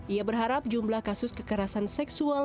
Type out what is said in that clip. ia berharap jumlah kasus kekerasan seksual